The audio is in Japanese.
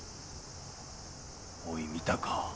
おい見たか？